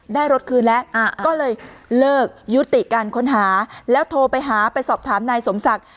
ได้รถคืนแล้วก็เลยเลิกยุติการค้นหาแล้วโทรไปหาไปสอบถามนายสมศักดิ์